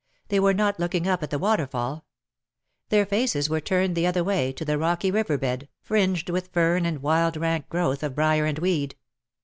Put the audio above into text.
They were not looking up at the waterfall. Their faces were turned the other way, to the rocky river bed, fringed with fern and wild rank growth of briar and weed.